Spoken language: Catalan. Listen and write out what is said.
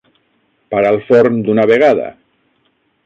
Para el forn d'una vegada!